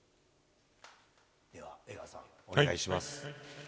江川さん、お願いします。